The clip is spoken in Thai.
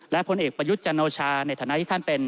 และผลเอกประยุทธ์จันโอชาในฐานะที่ท่านเป็น